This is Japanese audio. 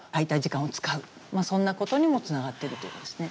そんなことにもつながっているということですね。